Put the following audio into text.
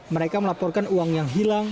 mereka melaporkan uang yang hilang